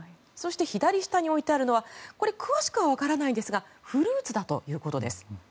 そして左下に置いてあるのは詳しくはわからないですがフルーツだということです。